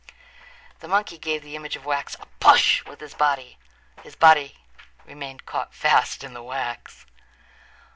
The monkey gave the image of wax a push with his body. His body remained caught fast in the wax.